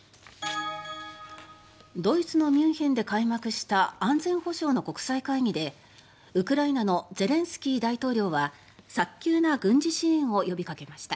ドイツのミュンヘンで開幕した安全保障の国際会議でウクライナのゼレンスキー大統領は早急な軍事支援を呼びかけました。